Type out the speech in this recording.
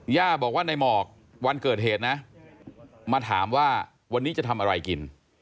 ย่าบอกว่าในหมอกวันเกิดเหตุนะมาถามว่าวันนี้จะทำอะไรกิน